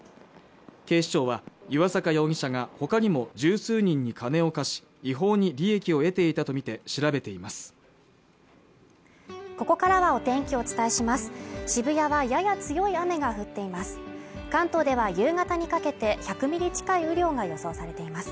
警視庁は岩坂容疑者がほかにも十数人に金を貸し違法に利益を得ていたとみて調べています